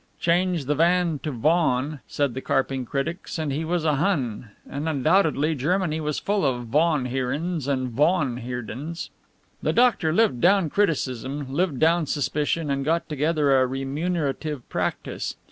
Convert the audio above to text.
Change the "van" to "von," said the carping critics, and he was a Hun, and undoubtedly Germany was full of von Heerens and von Heerdens. The doctor lived down criticism, lived down suspicion, and got together a remunerative practice.